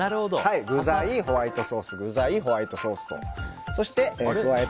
具材、ホワイトソース具材、ホワイトソースと。